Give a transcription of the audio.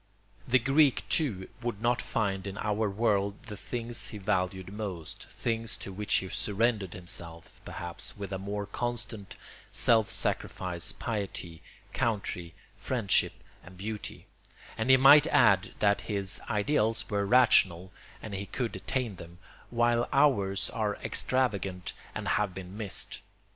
The Greek too would not find in our world the things he valued most, things to which he surrendered himself, perhaps, with a more constant self sacrifice—piety, country, friendship, and beauty; and he might add that his ideals were rational and he could attain them, while ours are extravagant and have been missed.